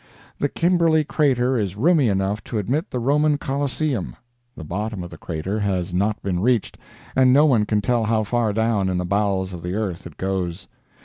The Kimberley crater is roomy enough to admit the Roman Coliseum; the bottom of the crater has not been reached, and no one can tell how far down in the bowels of the earth it goes.